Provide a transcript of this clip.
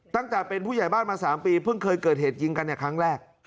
ตั้งแต่เป็นผู้ใหญ่บ้านมา๓ปีเพิ่งเคยเกิดเหตุยิงกันในครั้งแรก